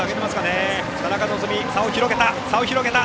田中希実、差を広げた。